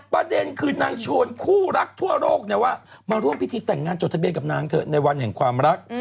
ประเด็นคือนางชวนคู่รักทั่วโลกเนี่ยว่ามาร่วมพิธีแต่งงานจดทะเบียนกับนางเถอะในวันแห่งความรัก